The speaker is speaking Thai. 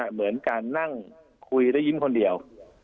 เหมือนการนั่งคุยและยิ้มคนเดียว